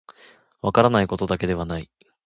分からないことだけではない